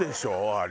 あれ。